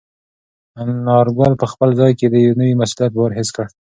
انارګل په خپل ځان کې د یو نوي مسولیت بار حس کړ.